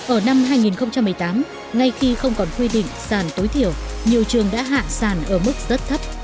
ở năm hai nghìn một mươi tám ngay khi không còn quy định sàn tối thiểu nhiều trường đã hạ sàn ở mức rất thấp